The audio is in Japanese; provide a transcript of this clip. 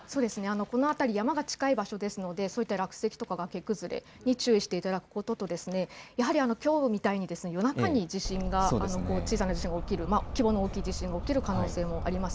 この辺り、山が近い場所ですので落石や崖崩れに注意していただくことと、やはりきょうみたいに夜中に規模が大きな地震が起きる可能性があります。